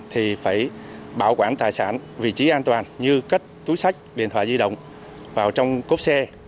thì phải bảo quản tài sản vị trí an toàn như cắt túi sách điện thoại di động vào trong cốp xe